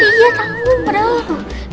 iya tanggung padahal